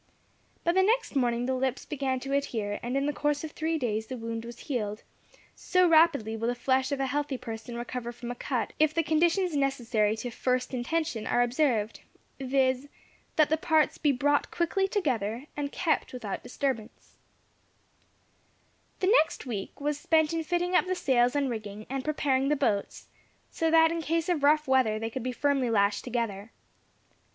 By the next morning the lips began to adhere, and in the course of three days the wound was healed so rapidly will the flesh of a healthy person recover from a cut if the conditions necessary to "first intention" are observed, viz., that the parts be brought quickly together, and kept without disturbance. The next week was spent in fitting up the sails and rigging, and preparing the boats, so that in case of rough weather they could be firmly lashed together.